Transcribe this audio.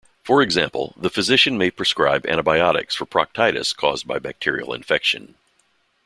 For example, the physician may prescribe antibiotics for proctitis caused by bacterial infection.